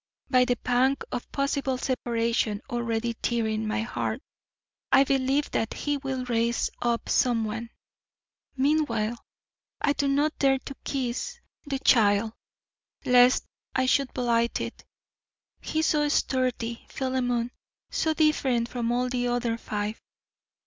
By the pang of possible separation already tearing my heart, I believe that He WILL raise up someone. Meanwhile I do not dare to kiss the child, lest I should blight it. He is so sturdy, Philemon, so different from all the other five.